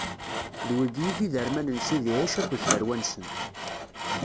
D wigi i d iderman n Sidi Ɛic akked tarwa-nsen.